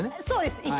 そうです。